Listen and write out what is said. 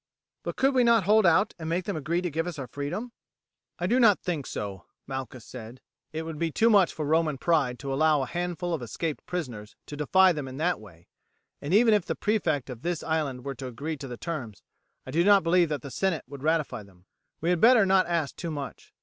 "But could we not hold out and make them agree to give us our freedom?" "I do not think so," Malchus said. "It would be too much for Roman pride to allow a handful of escaped prisoners to defy them in that way, and even if the prefect of this island were to agree to the terms, I do not believe that the senate would ratify them. We had better not ask too much.